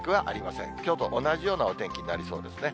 きょうと同じようなお天気になりそうですね。